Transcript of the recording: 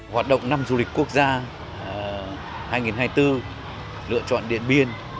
hoạt động năm du lịch quốc gia hai nghìn hai mươi bốn lựa chọn điện biên